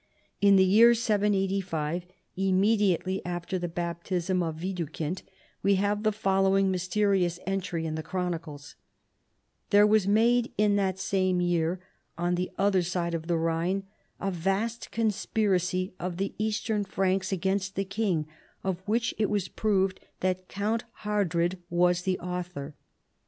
In the year Y85, im mediately after the baptism of Widukind, we have the following mysterious entry in the chronicles :" There was made in that same year on the other side of the Rhine a vast conspiracy of the eastern Franks against the king, of which it was proved that Count Hardrad was the author.